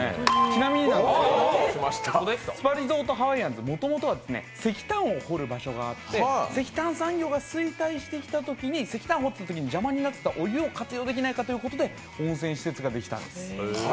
ちなみになんですけど、スパリゾートハワイアンズ、もともとは石炭を掘る場所があって石炭産業が衰退してきたときに石炭掘ってたときに邪魔になってたお湯を活用できないかということで温泉施設ができたんです。